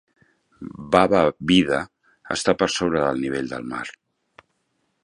Baba Vida està per sobre del nivell del mar.